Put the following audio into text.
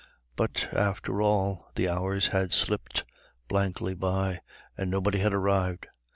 But, after all, the hours had slipped blankly by, and nobody had arrived.